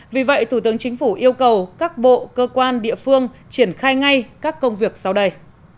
vì vậy thủ tướng chính phủ yêu cầu các bộ cơ quan địa phương triển khai ngay các công việc sau đây